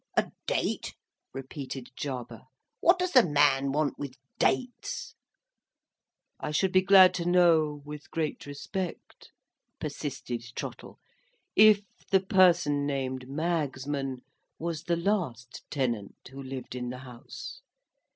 "A date!" repeated Jarber. "What does the man want with dates!" "I should be glad to know, with great respect," persisted Trottle, "if the person named Magsman was the last tenant who lived in the House.